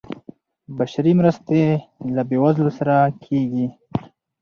بشري مرستې له بیوزلو سره کیږي